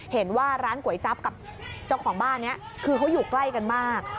เห็นว่าร้านก๋วยจั๊บกับเจ้าของบ้านนี้คือเขาอยู่ใกล้กันมาก